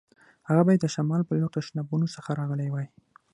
هغه باید د شمال په لور تشنابونو څخه راغلی وای.